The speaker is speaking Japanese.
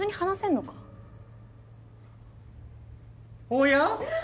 おや？